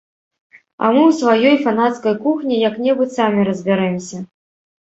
А мы ў сваёй фанацкай кухні як-небудзь самі разбярэмся.